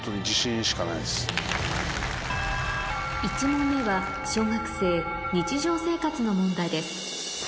１問目は小学生日常生活の問題です